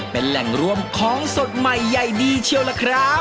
เป็นแหล่งรวมของสดใหม่ใหญ่ดีเชียวล่ะครับ